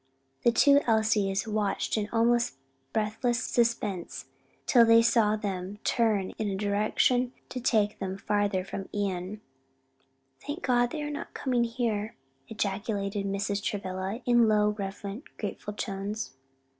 The two Elsies watched in almost breathless suspense till they saw them turn in a direction to take them farther from Ion. "Thank God they are not coming here!" ejaculated Mrs. Travilla, in low, reverent, grateful tones.